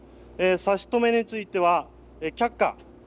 差し止めについては却下。